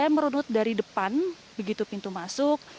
menurut dari depan begitu pintu masuk